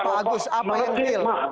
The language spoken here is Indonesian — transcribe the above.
pak agus apa yang deal